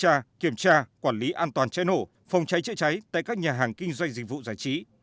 tra kiểm tra quản lý an toàn cháy nổ phòng cháy chữa cháy tại các nhà hàng kinh doanh dịch vụ giải trí